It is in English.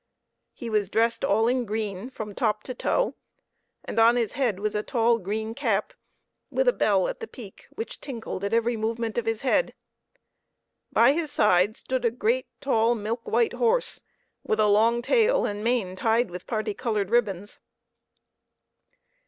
He was dressed all in green from top to toe, and on his head was a tall green cap, with a bell at the peak, which tinkled at every movement of his head. By his side stood a great, tall, milk white horse, with a long tail and mane tied with party colored ribbons.